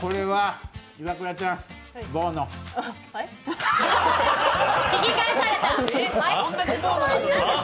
はい？